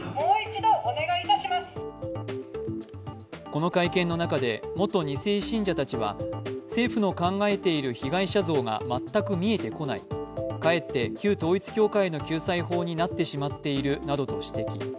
この会見の中で元２世信者たちは、政府の考えている被害者像が全く見えてこない、かえって旧統一教会の救済法になってしまっているなどと指摘。